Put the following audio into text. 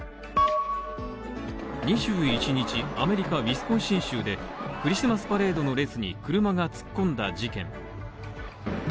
２１日、アメリカウィスコンシン州でクリスマスパレードの列に車が突っ込んだ事件。